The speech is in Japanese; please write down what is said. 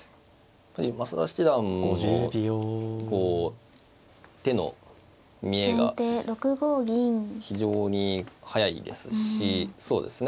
増田七段もこう手の見えが非常に速いですしそうですね